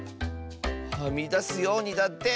はみだすようにだって。